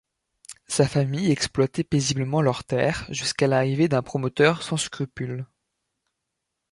Sa famille exploitait paisiblement leurs terres jusqu'à l'arrivée d'un promoteur sans scrupules.